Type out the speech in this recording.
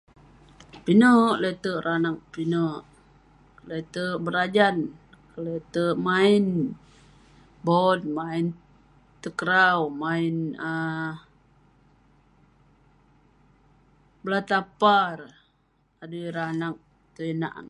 Pinek lete'erk ireh anag, pinek lete'erk berajan, lete'erk maen bon, maen takraw, maen ah bola tampar. Adui ireh anag tong inak amik.